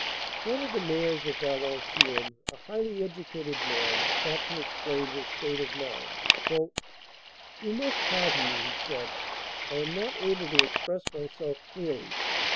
One of the mayors of Valenciennes, a highly educated man, sought to explain his state of mind. "You must pardon me," he said. "I am not able to express myself clearly.